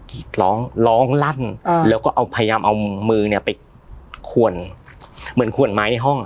ร้องร้องลั่นแล้วก็เอาพยายามเอามือเนี่ยไปขวนเหมือนขวนไม้ในห้อง